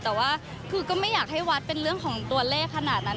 แต่ว่าคือก็ไม่อยากให้วัดเป็นเรื่องของตัวเลขขนาดนั้น